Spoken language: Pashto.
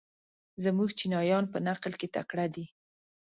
زموږ چینایان په نقل کې تکړه دي.